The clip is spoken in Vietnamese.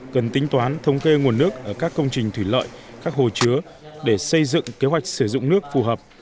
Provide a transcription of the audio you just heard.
cần tính toán thống kê nguồn nước ở các công trình thủy lợi các hồ chứa để xây dựng kế hoạch sử dụng nước phù hợp